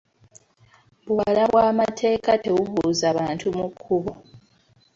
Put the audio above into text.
Buwala bwa mateeka tebubuuza bantu mu kubo.